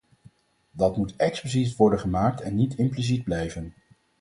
Dat moet expliciet worden gemaakt en niet impliciet blijven.